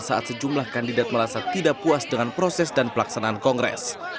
saat sejumlah kandidat merasa tidak puas dengan proses dan pelaksanaan kongres